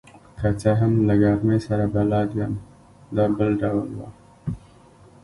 که څه هم له ګرمۍ سره بلد یم، دا بل ډول وه.